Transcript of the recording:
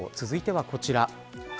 続いてはこちら。